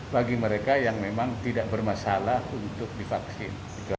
bagi mereka yang memang tidak bermasalah untuk divaksin